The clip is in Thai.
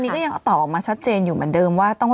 แล้วตอนนี้มันยังออกมาชัดเจนอยู่เหมือนเดิมว่า